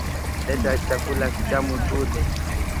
Leta chakula kitamu tule